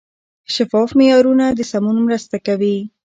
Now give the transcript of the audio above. شفاف معیارونه د سمون مرسته کوي.